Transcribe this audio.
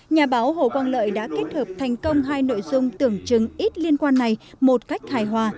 nhà báo hồ quang lợi đã kết hợp thành công hai nội dung tưởng chứng ít liên quan này một cách hài hòa